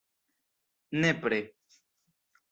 Nepre!